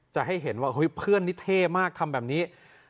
จะให้เห็นว่าเฮ้ยเพื่อนนี่เท่มากทำแบบนี้